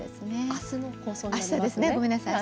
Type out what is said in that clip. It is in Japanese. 明日の放送ですね。